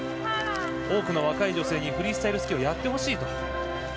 多くの若い女性にフリースタイルスキーをやってほしいと。